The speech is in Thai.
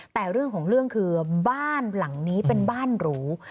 แต่เรื่องของเรื่องคือบ้านหลังนี้เป็นบ้านหรู